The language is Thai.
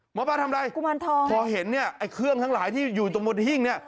หมอปลาทำอะไรกุมารทองพอเห็นเนี่ยไอ้เครื่องทั้งหลายที่อยู่ตรงบนหิ้งเนี่ย